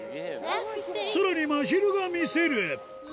さらにまひるが見せる！